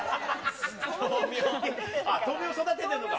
豆苗を育ててるのか。